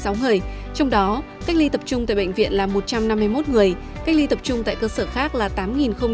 trong đó cách ly tập trung tại bệnh viện là một trăm năm mươi một người cách ly tập trung tại cơ sở khác là tám tám mươi bảy người